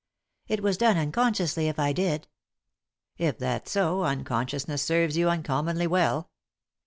" It was done unconsciously if I did" "If that's so, unconsciousness serves you uncom monly well."